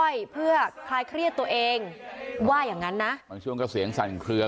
อยเพื่อคลายเครียดตัวเองว่าอย่างงั้นนะบางช่วงก็เสียงสั่นเคลือ